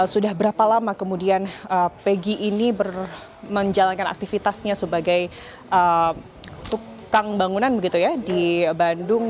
sudah berapa lama kemudian pegi ini menjalankan aktivitasnya sebagai tukang bangunan begitu ya di bandung